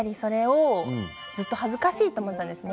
恥ずかしいと思っていたんですね